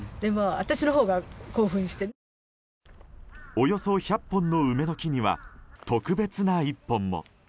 およそ１００本の梅の木には特別な１本も。